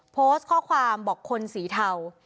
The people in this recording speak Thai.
โพสต์ข้อความบอกคนสีเทา